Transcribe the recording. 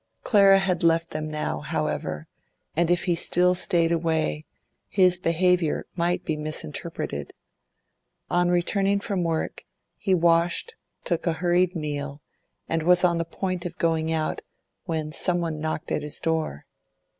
Clara had left them now, however, and if he still stayed away, his behaviour might be misinterpreted. On returning from work, he washed, took a hurried meal, and was on the point of going out when someone knocked at his door.